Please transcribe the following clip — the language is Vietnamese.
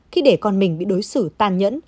khi để con mình bị đối xử tản nhẫn